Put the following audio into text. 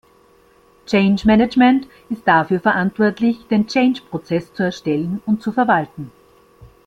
Change-Management ist dafür verantwortlich, den Change-Prozess zu erstellen und zu verwalten.